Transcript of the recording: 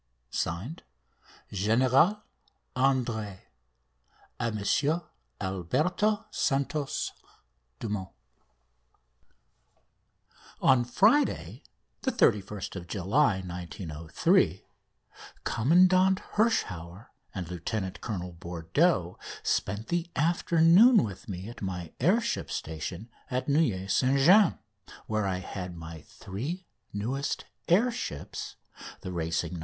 (Signed) General Andre. A Monsieur Alberto Santos Dumont. On Friday, 31st July 1903, Commandant Hirschauer and Lieutenant Colonel Bourdeaux spent the afternoon with me at my air ship station at Neuilly St James, where I had my three newest air ships the racing "No.